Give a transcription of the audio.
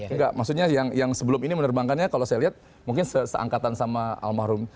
enggak maksudnya yang sebelum ini menerbangkannya kalau saya lihat mungkin seangkatan sama almarhum